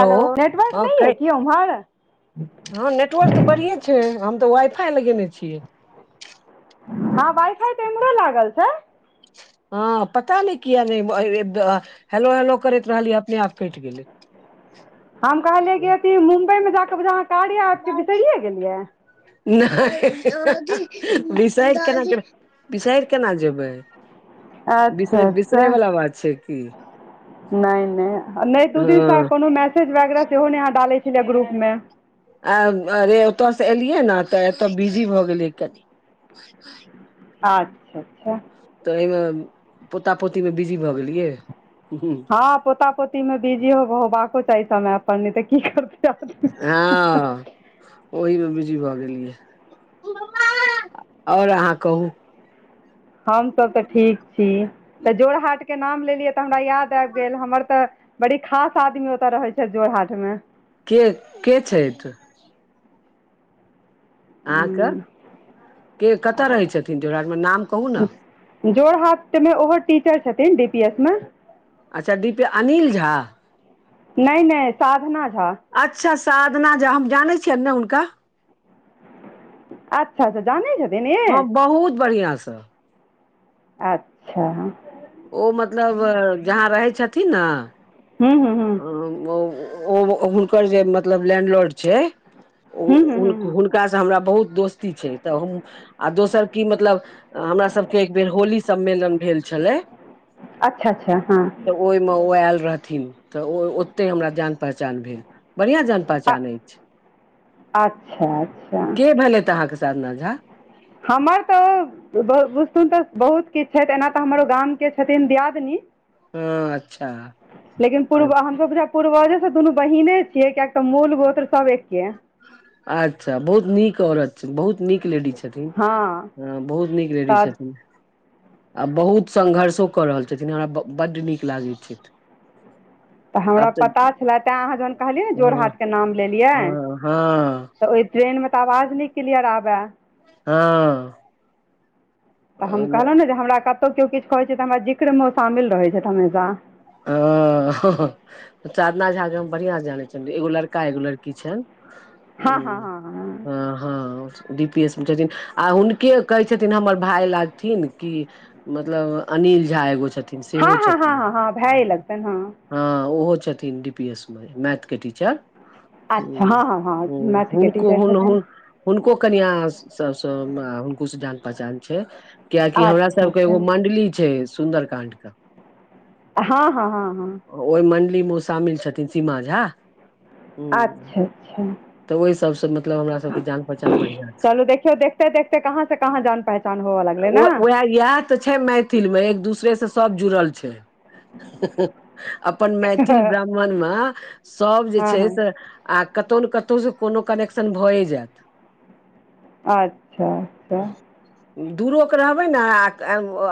Hello network हँ न कै है की उम्हर हँ नेटवर्क तऽ बढ़िएँ छय हम तऽ वाइफाइ लगेने छियै हँ वाइफाइ तऽमरो लागल छय हँ पता नइ किया नहि हेलो हेलो करैत रहलियै अपने आप कैट गेलै हम कहलियै कि अथी मुम्बइ में जाकऽ ब अहाँ कारे आबिके बिसरिये गेलियै नइ विसइड केनाक बिसैर केना जेबै बिस अच्छा अच्छा बिसरे बला बात छय की नहि नहि नहि तू हँ दिनसँ कोनो मैसेज वगैरह सेहो अहाँ डालै छलियै ग्रुप में आ अरे ओतयसँ एलियै ने तऽ एतय बिजी भऽ गेलियै कनि [unintelligible] अच्छा अच्छा तऽ एहिमें पोता पोती मे बिजी भऽ गेलियै ह हँ पोता पोती में बिजी होबाको चाही समयप नहि तऽ की करतै हँ ओहि में बिजी भऽ गेलियै ओर अहाँ कहू हमसब तऽ ठीक छी तऽ जोड़ हाट के नाम लेलियै तऽ हमरा याद आबि गेल हमर तऽ बड़ी खास आदमी ओतऽ रहै छय जोड़ हाट मे के के छैथ अहाँके मे के कतय रहय छथिन वराटमे नाम कहू ने जोड़ हाथ में ओहो टीचर छथिन डी पी एस मे अच्छा डी पी अनिल झा नय नय साधना झा अच्छा साधना जे हम जानइ छियन ने हुनका अच्छा अच्छा जानै छथिन ई हँ बहुत बढ़आंस अच्छा ओ मतलब जहाँ रहय छथिन ने हूँ हूँ ओ हुनकर जे मतलब लैंडलोर्ड छय ओ हूँ हूँ हुन हूँ हूँ हुनकास से हमरा बहुत दोस्ती छय तऽ हम आ दोसर की मतलब हमरा सबके एक बेर होली सम्मेलन भेल छलइ अच्छा अच्छा हँ तऽ ओहि में ओ आयल रहथिन तऽ ओ ओते हमरा जान पहचान भेल बढ़िया जान पहचान अ- अइछ अच्छा अच्छा के भेलेत अहाँके साधना झा हमर तऽ बुझत तऽ बहुत किछ छथि एना तऽ हमरो गामके छथिन दियादिन हछ लेकिन पूर्व हमसभू पूर्वजेसँ दुनू बहीने छियइ कियाक तऽ मूल गोत्र सभ अच्छा बहुत नीक औरत छ बहुत नीक लेडीज छथिन हँ हं बहुत नीक लेडीज तऽ छथिन तऽ आ बहुत संघर्षो कऽ रहल छथिन हमरा बड्ड नीक लागै छै तऽ हमरा पता छलए तैं अहाँ जखन कहलियै ने जोड़ हँ हाथके नाम लेलियै हँ तऽ ओहि ट्रेन में तऽ आवाज नहि किलियर आबए हँ तऽ हम कहलहुँ ने जे हमरा कतहु केओ किछ कहैत छै तऽ हमरा जिक्रमे ओ शामिल रहैत छथ हमेशा आ साधना झा के हम बढ़िआं से जानै छल एगो लड़का एगो लड़की छय हँ हँ हँ डी पी एस में छथिन आ हुनके कहै छथिन हमर भाय लागथिन कि मतलब अनिल झा एगो छथिन हँ सेहो हँ हँ छथिन हँ हँ भाये लगतनि हँ हँ ओहो छथिन डी पी एस में मैथ के टीचर अच्छा हं हँ हँ हँ ह मैथके हुनको टीचर हुन छथिन हुन हुनको कनिआ सब हुनको से जान पहचान छय कयाकि हमरा अच्छा सब के एगो अच्छा मंडली छय सुंन्दर कांड के हँ हँ हँ ह ओहि मण्डली में ओ शामिल छथिन सीमा झा हूँ अच्छा अच्छा तऽ ओहि सबसँ मतलब हमरा सबके जान पहचान बढ़िआँ छै चलू देखियौ देखते देखते कहाँ से कहाँ जान प छान होव लागल ओ न उएह इएह तऽ छै मैथिल में एक दूसरे से सब जुड़ल छै अपन मैथिल ब्राह्मणमे सभ जे हँ छै हँ से आ कतहु ने कतहुसँ कोनो कनेक्शन भए जेत अच्छा दूरोके रहबै ने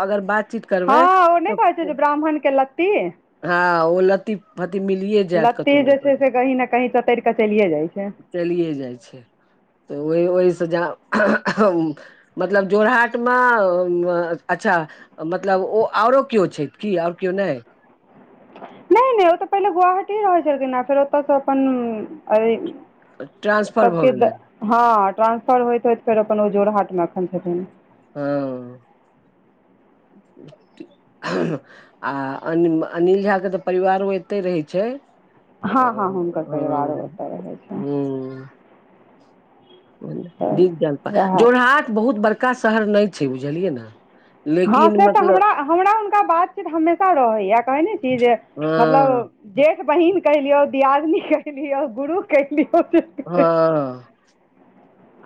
अगर बातचीत हँ करबै ओ तऽ नहि कहै छै जे ब्राह्मण के लत्ती। हँ ओ लत्ति। पति मिलियए लत्ती जे छै से कहीं नहि कहीं चतेर कऽ चलिये जाइ छै चलिए जाइ छै तऽ ओहि ओहिसँ जहा मतलब जोरहाटमे अच्छा मतलब ओ ओरो केओ छै की आओर केओ नहि नहि नहि ओ तऽ पहिले गुवहाटी रहै छलखिन ह फेर ओतयसँ अपन। अरे ट्रांसफर भऽ सबके द गेलनि [inaudible] हँ ट्रांसफर होइत होइत फेर अपन ओ जोड़ हाटमे एखन छथिन हँ [inaudible] आ अनिल झाके तऽ परिवारो एते रहै छै हँ हँ आ हुनकर परिवारो ह ओतय रहैत ह छनि [inaudible] दीग जलपा तऽ उएह जोरहाट बहुत बड़का शहर नहि छै बुझलियै ने हँ लेकिन से तऽ मतलब हमरा हमरा हुनका बातचीत हमेशा रहै या कहैत ने छी जे हँ मतलब जेठ बहिन कहिलियौ दियादिन कहिलियो गुरु कहिलियौ हँ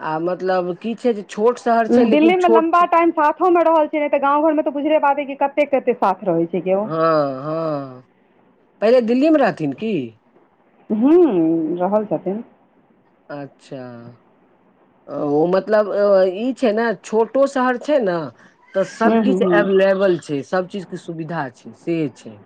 आ मतलब की छै जे छोट शहर छै लेकिन दिल्ली मे छोट लम्बा टाईम साथो मे रहल छै ने तऽ गाँव घर मे तऽ बुझले बात कते कते साथ रहे छै केओ हँ हँ पहिले दिल्लीमे रहथिन कि हूँ रहल छथिन अच्छा ओ मतलब ई छै ने छोटो शहर छै ना तऽ हूँ हूँ सभकिछ हूँ एवलेबल छै सभ चीजके सुविधा छै से छै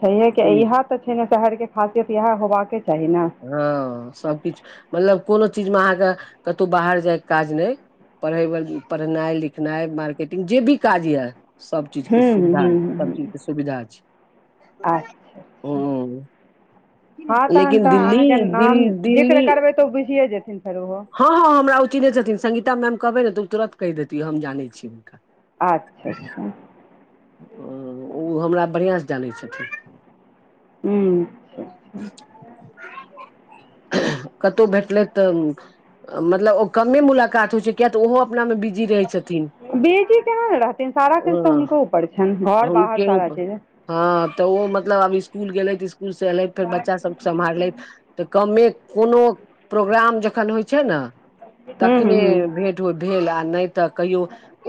छैहेके से इहा तऽ छै ने शहरके खासियत इहा होबाके चाही ने हँ सबकिछ मतलब कोनो चीजमे अहाँके कतौ बाहर जायके काज नहि पढ़ाई पढ़नाई लिखनाई मार्केटिंग जे भी काज यए सब चीज के हूँ हूँ सुविधा हूँ सब हूँ। चीज के सुविधा छै अच्छा ह अच्छा हँ तऽ [unintelligible] लेकिन तऽ दिल्ली अहाँके दिल नाम जिक्र दिल्ली करबै तऽ ओ बुझियए जेथिन फेर ओहो हँ हँ हमरा ओ चिन्हने छथिन संगीता मैम कहबै ने तऽ तुरन्त कहि देैतिय हम जानै छीये अच्छा उ हमरा बढ़िआँसँ जानै छैथ हूँ कतहु भेटलै तऽ मतलब ओ कमे मुलाकात होइ छै किया तऽ ओहो अपना बेजी केना ने रहते सारा किछ हँ तऽ हुनको ऊपर छै हुनके उपर हँ तऽ ओ मतलब आब इसकुल गेलथि इकुल से ऐलै फेर बच्चा सब सम्हारलैथ तऽ कमे कोनो प्रोग्राम जखन होइ छै ने हूँ हूँ तखने हूँ भेट भेल आ नहि तऽ कहियो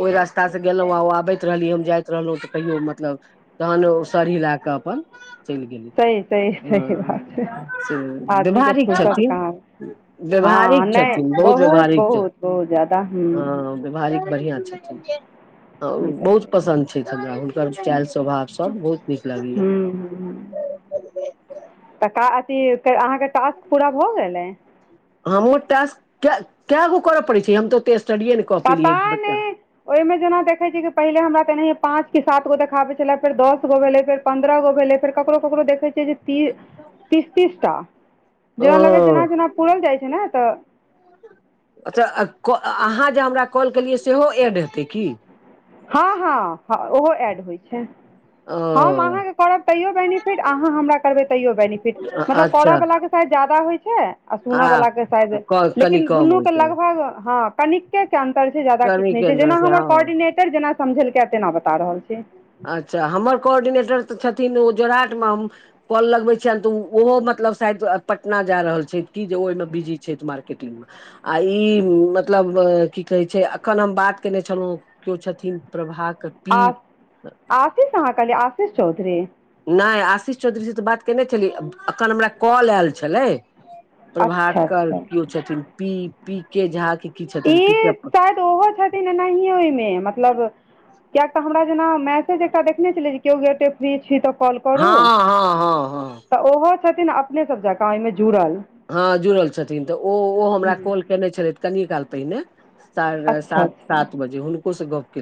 ओह रास्ता से गेलहुं आ आबैत रहली हम जाइत रहलहु तऽ कहियो मतलब तहन ओ सरी सर हिला कऽ अपन चलि गेलथि सही सही सही हं बात छै से आदमीके व्यवहारिक फुर्सत छथिन कहाँ व्यवहारिक हँ छथिन नहि बहुत व्यवहारिक छथिन बहुत बहुत जादा हूँ हं हूँ व्यवहारिक बढ़िया छथिन ई तऽ बहुत छैहे पसन्द आर हुनकर चइल स्वभाव सब बहुत नीक लगैया हूँ हू हं तऽ अथी अहाँके टास्क पूरा भऽ गेलइ हम टक कऽ गो करऽ पड़े छै हम तो ओते स्टडीए पता ने ओहि में जेना देखे छै कि पहिले हमरा तेनाहिय पाँच के सात गो देखाबे छले फेर दस गो भेले फेर पन्द्रह गो भेलै फेर ककरो ककरो देखै छियइ त तीस तीसटा जेना लगै जेना ओ जेना पूरल जाइ छइ ने तऽ अच्छा अहाँ जे हमरा कॉल केलियइ सेहो एड हेतै की हँ हँ ओहो एड होइ छय ओ हम अहाँके करब तैं बेनिफिट अहाँ हमरा करबै तैयो बेनीफिट अ- मतलब करय अच्छा वला होइ आ छै के सा क- कनि लेकिन कम दुनू होइ के छै लग भग हं के अन्तर छय जादा किछु कर्मी नहि छै केन्द्र जेना से हमर हँ कोर्डिनेटर जेना समझेलकै तेना बता रहल छै अच्छा हमर कोर्डिनेटर तऽ छथिन ओ जोराट में हम कल लगबे छियनि तऽ ओहो मतलब शायद पटना जाय रहल छय कि जे ओहिमे बिजी छै मार्केटिंग मे आ ई मतलब की कहे छय अखन हम बात केने छलहुँ किओ छथिन प्रभाक पी आ आशीष आहाँ कहलिय आशीष चौधरी नइ आशीष चौधरी सै तऽ बात केयने छलीै एखन हमरा कॉल आयल छलै प्रभर अच्छा अच्छा किओ छथिन पी पी के झा के की छथिन पी के तऽ ओहो छथिन एनाहिए ओहि में मतलब कियाक तऽ हमरा जेना मैसेज एकटा देखने छले जे केओ गेटे फ्री छी तऽ कॉल हँ करू हँ हँ हँ तऽ ओहो छथिन अपने सब जकाँ ओहि में जुड़ल हँ जुड़ल छथिन तऽ ओ ओ हमरा टोल के नइ छलथि कनि काल पहिने अच्छा सात अच्छा सात बजे हुनको से गप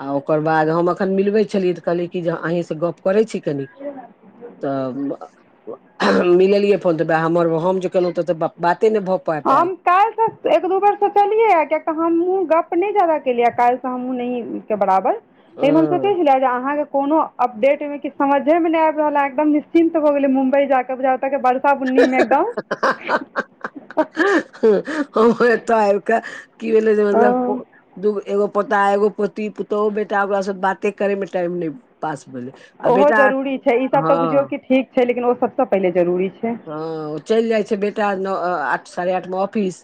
आ ओकर बाद हमखन मिलन छलनी तऽ कहलियै छी कऽ नि त मिलियै फन तऽ हमर हम जे केलहुँ तऽ तऽ बाते नय भऽ पायल हम्म काल्हिसँ एक दू बेर सोचलियै किय तऽ हमहूँ गप्प नय जादा केलियै काल्हि हमहुँ नहि के बराबर लेकिन हम हँ सोचय छलिय जे अहाँके कोनो अपडेट मे किछ समझ में नहि आब रहल ह एकदम निश्चिन्त भ गेले मुम्बई जााक बरसा बुन्नी मे एकदम तऽ हम एतऽ आब कऽ की भेलइ जे मतलब हँ दूगो एगो पोता एगो पोती पुतहु बेटा ओकरासँ बाते करयमे टाइम नहि पास भेलइ ओहो जरूरी छै ई सब तऽ बुझियौ कि ठीक छै लेकिन ओ सभसँ पहिले जरूरी छय हँ चइल जाइ छै बेटा आठ साढ़े आठ मे ऑफिस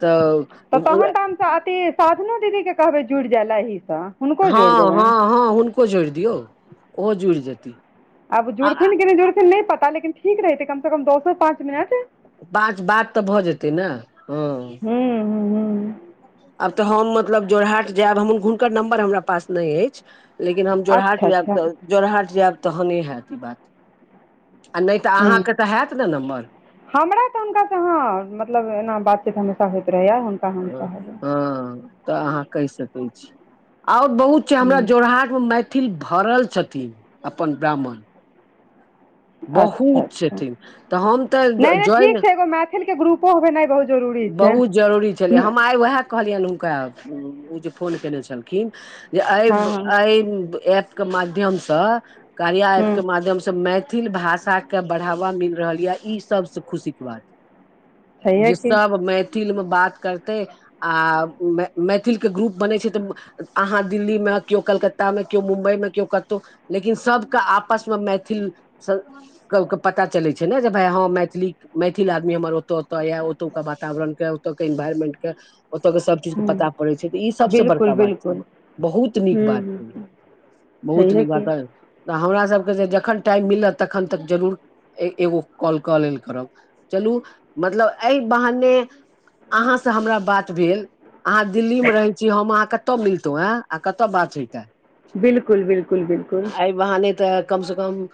तऽ ओ साते साधनो दीदी के कहबइ जुड़ जाय ल एहसँ हँ हँ हँ हुनको जोड़ि दियउ ओहो जुड़ि जेती अब आ आ- जुड़थिन कि नहि जुड़थिन नहि पता लेकिन ठीक रहेते कम से कम दसो पाँच मिनट पाँच बात तऽ भऽ जेतै ने हँ हूँ हूँ हूँ आब तऽ हम मतलब जोरहाट जायब हम हुनकर नम्बर हमरा पास नै अछि लेकिन हम जोरहाट अच्छा जायब अच्छा तऽ जोरहाट जायब तहने हेयत ई बात आ नहि तऽ हुँ अहाँके तऽ हैत ने नम्बर हमरा तऽ हुनका से हँ मतलब एना बातचीत हमेशा होइत रहैया हँ तऽ अहाँ कहि सकै छी आर बहुत हमरा हुँ जोरहाट मे मैथिल भरल छथिन अपन ब्राह्मण अच्छा बहुत अच्छा छथिन तऽ हम तऽ नहि नहि जय ठीक ने छै एगो मैथिलके ग्रुपो होनाइ बहुत जरूरी छै बहुत हुँ, जरूरी छलै हम आइ उएह कहलीएल हुनका उ जे फोन केने छलखिन एब हँ हँ एब ए के माध्यम से कार्य एप के हुँ माध्यम से मैच मैथिल भाषा के बढ़ावा मिल रहल यऽ ई सबसँ खुशी के बात छैहे जे की सब मैथिलमे बात करते आ मै मैथिलके ग्रुप बनैत छै तऽ अहाँ दिल्ली मे केओ कलकत्ता मे केओ मुम्बई मे केओ कतहु लेकिन सबके आपसमे मैथिल पता चलै छै ने जे भाय हँ मैथिली मैथिल आदमी हमर ओतय ओतय य ओतका वातावरण के इन्वायरमेंट के ओतो के सब चीज के हुँ पता पड़े छै त ई सबसे बड़का बिल्कुल बात छै बिल्कुल बहुत नीक हुँ बात हुँ छै हुँ, बहुत छैहे नीक बात की ह त हमरा सबके से जखन टाइम मिलत तखन तक जरूर एगो कॉल का लल करब चलू मतलब एहि बहाने अहाँ से हमरा बात भेल अहाँ दिल्लीमे रहैत छी हम अहाँ कतय मिलतौ एँं आ कतय बात हैते बिल्कुल बिल्कुल बिलकुल बहाने तऽ कम से कम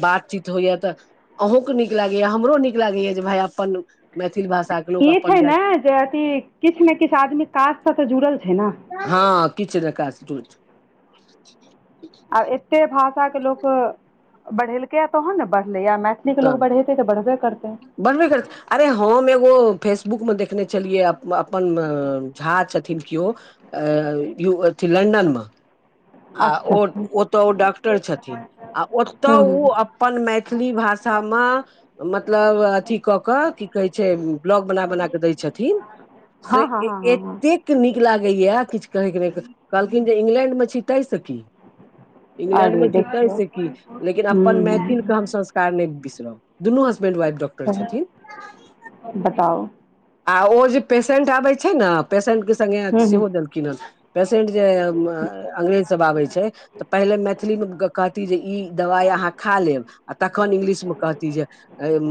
बातचीत होइया तऽ अहूँके नीक लागैया हमरो नीक लागैया जे भाय अपन मैथिल भाषा ई छै ने जे अथि किछ ने किछ आदमी काज से त जुड़ल छै ने हँ किछ नहि [unintelligible] [unintelligible] आ एते भाषा के लोक बढ़ेलकै या तोहन ने बढ़ले या मै कने के लो बढ़ेतेऽ बढ़बे करतै बनबै करतै अरे हम एगो फेसबुकमे देखने छलियै अपन अपन झा छथिन केओ अ युव अथि लंडन मे आ अच्छा ओ अच्छा हूँ ओ तऽ ओ डॉक्टर छथिन आ ओतय ओ हूँ अपन मैथिली भाषा म मतलब अथि कऽ कऽ की कहै छै ब्लॉग बना बना कऽ दै छथिन से हँ हँ हँ हँ हँ एतेक नीक लागैया किछ कहैके नहि कहलखिन जे इंग्लैंडमे छी तैसँ की इंग्लैंड अरे मे जीते देखियौ से की लेकिन हूँ अपन मैथिल के हम हूँ संस् [unintelligible] दुनू हसबैंड वाइफ डॉक्टर छथिन बताउ आ ओ जे पेसेंट आबै छैनै पेसेंट के संगे हूँ हूँ सेहो देलखिन ह पेसेंट जे अंग्रेज सब आबै छै पहिले मैथिलीमे कहती जे ई दबाइ अहाँ खा लेब आ तखन इंग्लिशमे कहती जे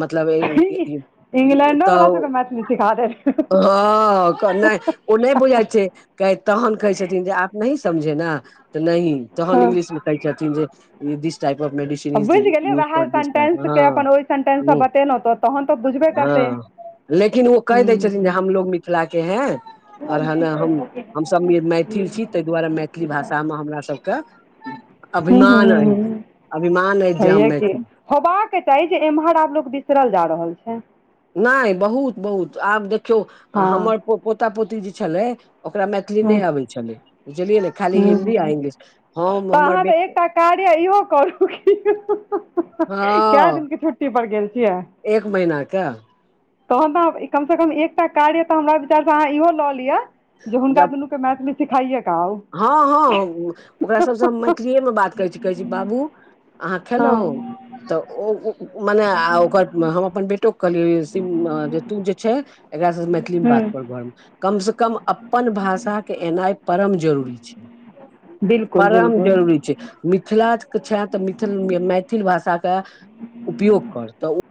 मतलब ई इंग्लैंडो वला सबके मैथिली सिखा अ [unintelligible] ह [inaudible] नय ओ नहि बुझाए छै तहन कहै छथिन जे आप नही समझे न तऽ नहि तहन हँ इंग्लिश कहे छनीन डिस टाइप इन मेडिसिन बुझि [unintelligible] गेलियै युज उएह फोर डिस सेंटेंसके अपन ओहि सेंटेंससँ डेंग बतेलहुँ तऽ तहन तऽ बुझबे करतै लेकिन ओ केह हूँ दै छथिन जे हूँ हमलोग मिथिला के है और ह ने हम हम सभ मैथिल छी ताहि दुआरे मैथिली भाषा मे हमरा सभ के हूँ हूँ अभिमान अई हूँ हूँ अभिमान अछि जे हम छैहे कि मैथिली होबाक चाही जे एम्हर आब लोग बिसरल जा रहल छै नय बहुत बहुत आब देखियौ हँ हमर पोता पोती जे छलै ओकरा मैथिल [unintelligible] किछ हूँ नहि अबै छलै बुझलियै ने खाली हूँ हिन्दी आ इंग्लिश हम हमर बे [unintelligible] कार अयो करू कए हँ दिन के छुट्टी पर गेल छियै एक महीना के तहन तऽ कम सँ कम एकटा कार्य य तऽ हमरा विचार से अहाँ इहो लऽ लियो जे हुनका जब तऽ मैथिली सिखाए हँ हँ ओकरा सभसँ हम मैथिलीएमे बात करै छी कहै छी बाबू अहाँ हँ खेलहु तऽ ओ मने ओकर हम अपन बेटोके कहलियौ तू जे छै एकरा सबसँ मैथिलीमे हूँ बात कर घरमे कम से कम अपन भाषा के एनाई परम जरूरी छै बिल्कुल परम बिल्कुल जरूरी छै मिथिलाक छै तऽ मैथिल भाषाके उपयोग कर तऽ